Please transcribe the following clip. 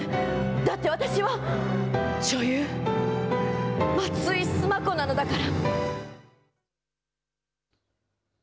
だって私は女優、松井須磨子なのだから。